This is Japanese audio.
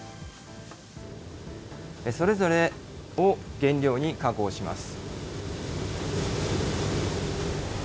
それぞれを原料に加工します。